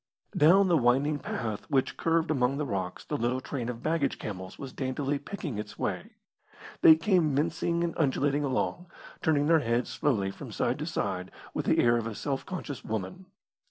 Down the winding path which curved among the rocks the little train of baggage camels was daintily picking its way. They came mincing and undulating along, turning their heads slowly from side to side with the air of a self conscious woman.